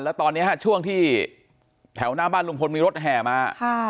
แล้วตอนนี้ช่วงที่แถวหน้าบ้านลุงพลมีรถแห่มา